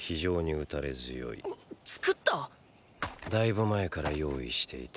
だいぶ前から用意していた。